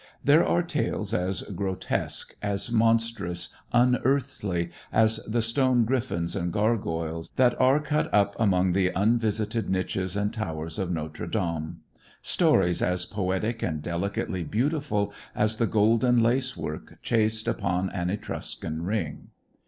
There are tales as grotesque, as monstrous, unearthly as the stone griffens and gargoyles that are cut up among the unvisited niches and towers of Notre Dame, stories as poetic and delicately beautiful as the golden lace work chased upon an Etruscan ring.